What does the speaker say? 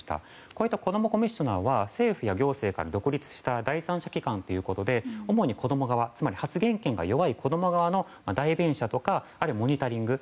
こういった子どもコミッショナーは政府や行政から独立した第三者機関ということで主に子供側発言権が弱い子供側の代弁者とかあるいはモニタリング。